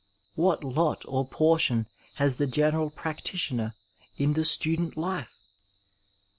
What lot or portion has the general practitioner in the student life